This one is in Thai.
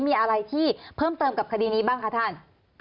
มีอะไรที่เพิ่มเติมกับคดีนี้บ้างคะท่าน